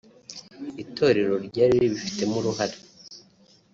itorero ryari ribifitemo uruhare